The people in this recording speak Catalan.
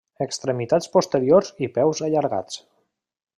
Extremitats posteriors i peus allargats.